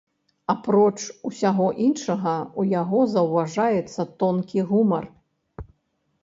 Апроч усяго іншага, у яго заўважаецца тонкі гумар.